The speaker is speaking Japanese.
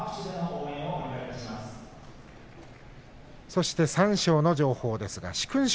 そして、三賞の情報。